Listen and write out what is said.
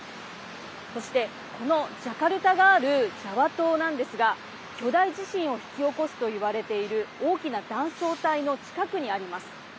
そして、このジャカルタがあるジャワ島なんですが巨大地震を引き起こすといわれている大きな断層帯の近くにあります。